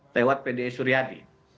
lewat pdi suryadi